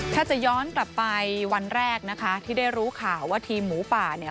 ถ้าจะย้อนกลับไปวันแรกนะคะที่ได้รู้ข่าวว่าทีมหมูป่าเนี่ย